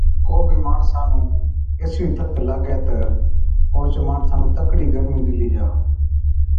ڪو بِي ماڻسا نُون اِسڙِي ٿڌ لاگَي تہ اوهچ ماڻسا نُون تڪڙِي گرمِي ڏِلِي جا،